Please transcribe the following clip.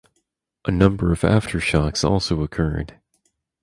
A number of aftershocks also occurred.